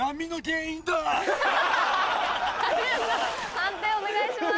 判定お願いします。